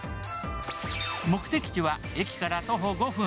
目的地は駅から徒歩５分。